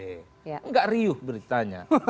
enggak riuh beritanya